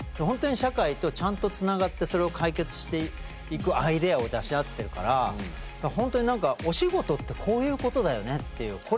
ほんとに社会とちゃんとつながってそれを解決していくアイデアを出し合ってるからほんとになんかお仕事ってこういうことだよねっていう。